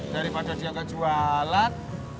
daripada dia kejualan